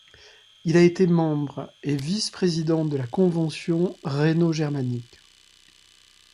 Il a été membre et vice-président de la Convention rhéno-germanique.